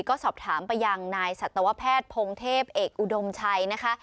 ก็สอบถามไปยังนายสัตวแพทย์พงเทพเอกอุดมชัยนะคะ